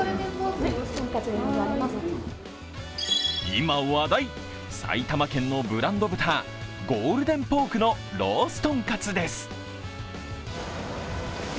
今話題、埼玉県のブランド豚ゴールデンポークのロースとんかつです。